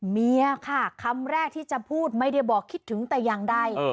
เมียค่ะคำแรกที่จะพูดไม่ได้บอกคิดถึงแต่อย่างใด